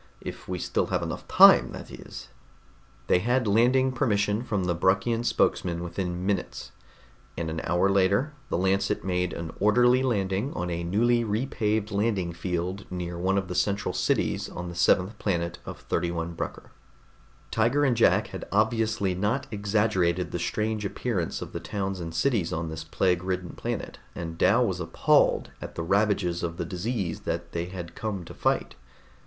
If we still have enough time, that is." They had landing permission from the Bruckian spokesman within minutes, and an hour later the Lancet made an orderly landing on a newly repaved landing field near one of the central cities on the seventh planet of 31 Brucker. Tiger and Jack had obviously not exaggerated the strange appearance of the towns and cities on this plague ridden planet, and Dal was appalled at the ravages of the disease that they had come to fight.